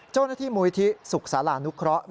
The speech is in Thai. เจ้าหน้าที่มวิธีศุกร์สารานุเคราะห์